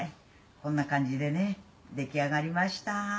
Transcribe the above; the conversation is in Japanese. こんな感じでね出来上がりました」